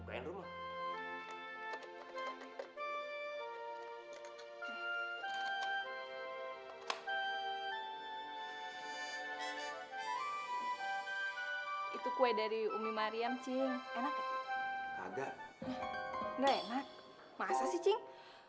itu kue dari umi marian cing enak enggak enak masa sih cing